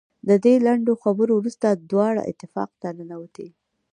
د دې لنډو خبرو وروسته دواړه اتاق ته ننوتې.